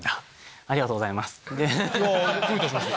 ありがとうございます。